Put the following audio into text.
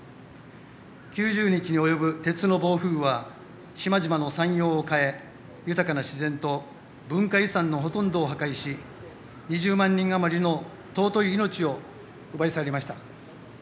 ９０日に及ぶ鉄の暴風は島々の山容を変え豊かな自然と文化遺産のほとんどを破壊し２０万人余りの尊い命を奪い去りました。